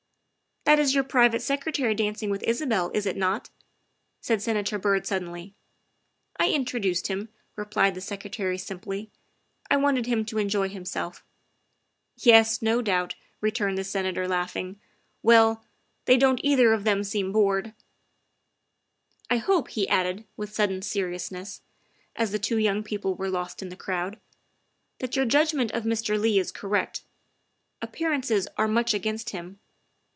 " That is your private secretary dancing with Isabel, is it not ?'' said Senator Byrd suddenly. " I introduced him," replied the Secretary simply. " I wanted him to enjoy himself." " Yes, no doubt," returned the Senator, laughing. " Well, they don't either of them seem bored. " I hope," he added with sudden seriousness, as the two young people were lost in the crowd, " that your judgment of Mr. Leigh is correct. Appearances are much against him.